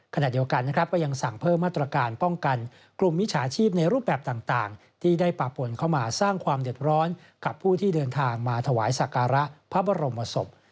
ขณะเดียวกันนะครับก็ยังสั่งเพิ่มมาตรการป้องกันกลุ่มมิจฉาชีพในรูปแบบต่างที่ได้ปะปนเข้ามาสร้างความเดือดร้อนกับผู้ที่เดินทางมาถวายสักการะพระบรมศพ